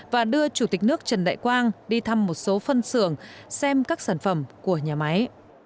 và đưa chủ tịch nước trần đại quang đi thăm một số phân xưởng xem các sản phẩm của nhà máy